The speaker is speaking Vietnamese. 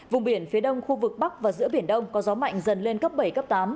vùng biển phía đông khu vực bắc và giữa biển đông có gió mạnh dần lên cấp bảy cấp tám